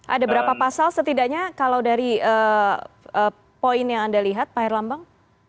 ada berapa pasal setidaknya kalau dari poin yang anda lihat pak herlambang